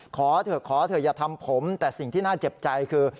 ขอเถอะขอเถอะอย่าทำผมแต่สิ่งที่น่าเจ็บใจคือ